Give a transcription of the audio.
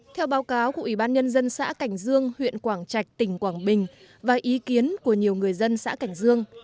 theo báo cáo của ủy ban nhân dân xã cảnh dương huyện quảng trạch tỉnh quảng bình và ý kiến của nhiều người dân xã cảnh dương